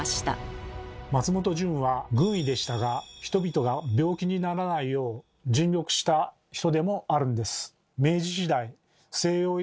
松本順は軍医でしたが人々が病気にならないよう尽力した人でもあるんです。